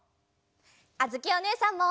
あづきおねえさんも！